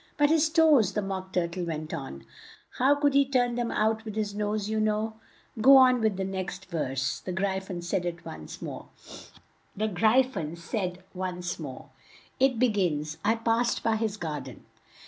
"But his toes?" the Mock Tur tle went on. "How could he turn them out with his nose, you know?" "Go on with the next verse," the Gry phon said once more; "it begins 'I passed by his gar den.'"